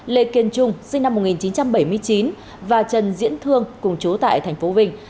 lê kiên trung sinh năm một nghìn chín trăm bảy mươi chín và trần diễn thương cùng chú tại tp vinh